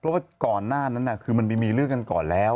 เพราะว่าก่อนหน้านั้นคือมันไปมีเรื่องกันก่อนแล้ว